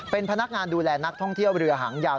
เป็นพนักงานดูแลนักท่องเที่ยวเรือหางยาว